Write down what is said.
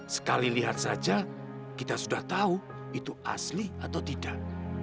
sekali lihat saja kita sudah tahu itu asli atau tidak